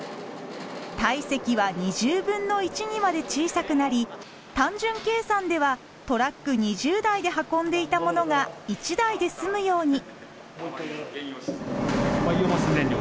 体積は２０分の１にまで小さくなり単純計算ではトラック２０台で運んでいたものが１台で済むように。